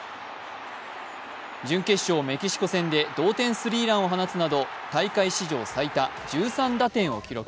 準決勝・メキシコ戦で同点スリーランを放つなど、大会史上最多１３打点を記録。